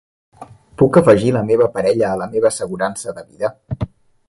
Puc afegir la meva parella a la meva assegurança de vida?